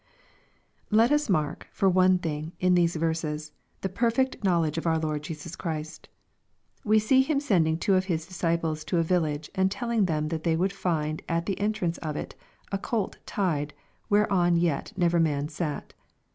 Let us mark, for one thing, in these verses, the perfect knowledge of our Lord Jesiis Christ We see Him sending two of His disciples to a village, and telling them that they would find at the entrance of it, " a colt tied, whereon yet never man sat.